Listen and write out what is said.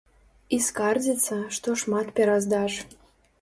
І скардзіцца, што шмат пераздач.